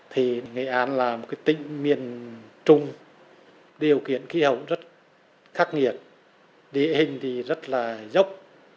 thì nghệ an là một tỉnh miền trung điều kiện khí hậu rất khắc nghiệt địa hình thì rất là dốc